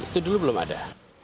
itu dulu belum ada